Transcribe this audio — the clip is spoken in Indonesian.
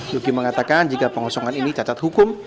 luki mengatakan jika pengosongan ini cacat hukum